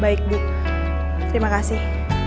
baik bu terima kasih